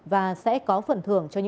và sẽ có phần thưởng